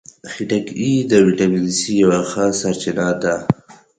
خټکی د ویټامین سي یوه ښه سرچینه ده.